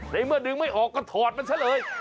ในเมื่อดึงไม่ออกก็ถอดมันซะเลย